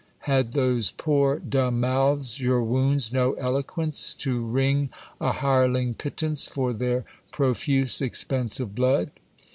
Had those poor dumb mouths your wounds no eloquence, to wring a hireling pittance for their profuse expense of blood